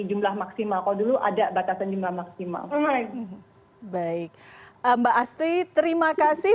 jumlah maksimal kalau dulu ada batasan jumlah maksimal baik mbak astri terima kasih